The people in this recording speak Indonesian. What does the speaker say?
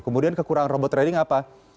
kemudian kekurangan robot trading apa